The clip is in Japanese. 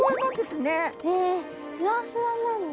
へえふわふわなんだ。